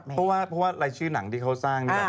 เพราะว่ารายชื่อหนังที่เขาสร้างเนี่ย